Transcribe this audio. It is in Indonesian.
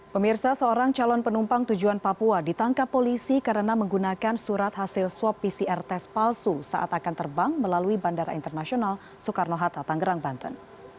pemirsa seorang calon penumpang tujuan papua ditangkap polisi karena menggunakan surat hasil swab pcr tes palsu saat akan terbang melalui bandara internasional soekarno hatta tanggerang banten